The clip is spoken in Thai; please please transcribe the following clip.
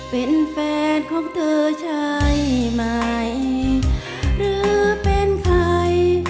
เป็นแฟนของเธอใช่ไหมหรือเป็นใคร